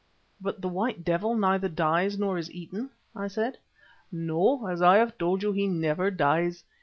"But the White Devil neither dies nor is eaten?" I said. "No, as I have told you, he never dies.